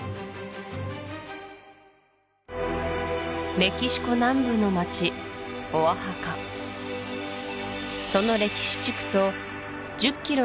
メキシコ南部の町オアハカその歴史地区と１０キロ